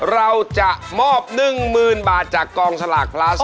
เราจะมอบ๑๐๐๐บาทจากกองสลากพลัส